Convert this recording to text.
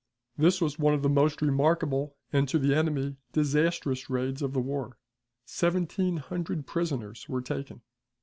This was one of the most remarkable, and, to the enemy, disastrous raids of the war. Seventeen hundred prisoners were taken.